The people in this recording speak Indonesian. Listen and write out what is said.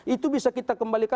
itu bisa kita kembalikan